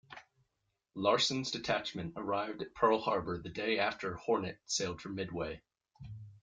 Larson's detachment arrived at Pearl Harbor the day after "Hornet" sailed for Midway.